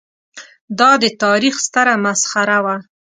دا د تاریخ ستره مسخره وه.